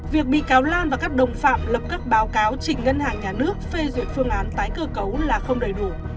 việc bị cáo lan và các đồng phạm lập các báo cáo chỉnh ngân hàng nhà nước phê duyệt phương án tái cơ cấu là không đầy đủ